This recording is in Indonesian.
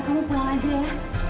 kamu pulang aja ya